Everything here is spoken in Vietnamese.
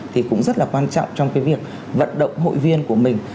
thì cũng rất là quan trọng trong cái việc vận động hội viên của mình